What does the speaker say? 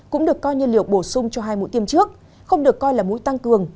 cũng được coi như liều bổ sung cho hai mũi tiêm trước không được coi là mũi tăng cường